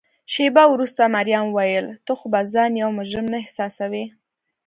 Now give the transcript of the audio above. شیبه وروسته مريم وویل: ته خو به ځان یو مجرم نه احساسوې؟